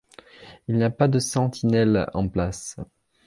Il n'y a pas de sentinelles en place.